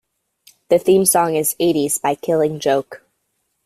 The theme song is "Eighties" by Killing Joke.